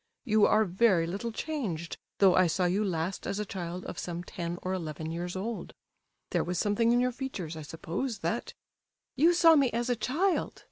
You are very little changed, though I saw you last as a child of some ten or eleven years old. There was something in your features, I suppose, that—" "You saw me as a child!"